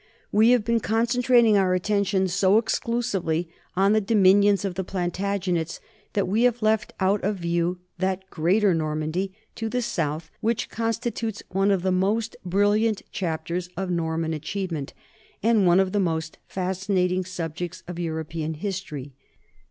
And we have been 1 William the Conqueror, p. 2. NORMANDY AND FRANCE 147 concentrating our attention so exclusively on the do minions of the Plantagenets that we have left out of view that greater Normandy to the south which con stitutes one of the most brilliant chapters of Norman achievement and one of the most fascinating subjects of European history.